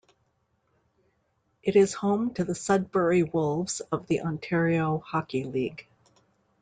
It is home to the Sudbury Wolves of the Ontario Hockey League.